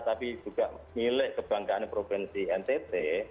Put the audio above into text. tapi juga milik kebanggaan provinsi ntt